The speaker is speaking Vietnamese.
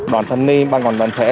đoàn thành niên ban ngọn bệnh thể